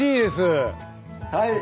はい。